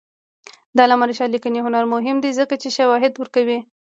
د علامه رشاد لیکنی هنر مهم دی ځکه چې شواهد ورکوي.